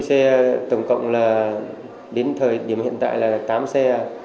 xe tổng cộng là đến thời điểm hiện tại là tám xe